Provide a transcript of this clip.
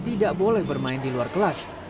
tidak boleh bermain di luar kelas